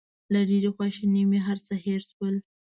له ډېرې خواشینۍ مې هر څه هېر شول.